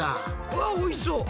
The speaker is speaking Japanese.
うわおいしそう。